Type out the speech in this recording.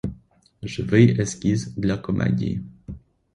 Живий ескіз для комедії.